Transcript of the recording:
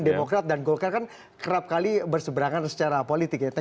demokrat dan golkar kan kerap kali berseberangan secara politik ya